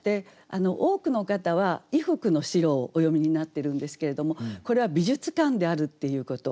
多くの方は衣服の白をお詠みになってるんですけれどもこれは美術館であるっていうこと。